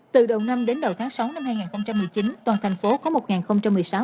từ đầu năm đến đầu tháng sáu năm hai nghìn một mươi chín toàn thành phố có một quả